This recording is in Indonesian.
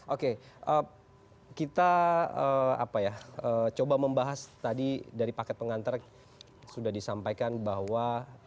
oke kita coba membahas tadi dari paket pengantar sudah disampaikan bahwa